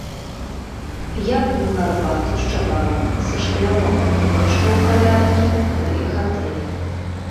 Я п'ю гарбату з чабаром са шклянога кубачка ў кавярні пры гатэлі.